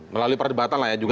melalui perdebatan lah ya